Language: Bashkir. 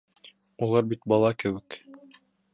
Улар бит бала кеүек.